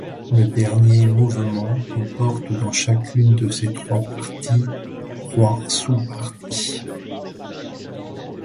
Le dernier mouvement comporte dans chacune de ses trois parties, trois sous-parties.